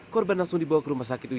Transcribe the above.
kayak apa kayak pemolotok